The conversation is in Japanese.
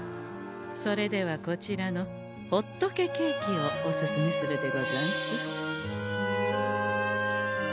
それではこちらのほっとけケーキをおすすめするでござんす。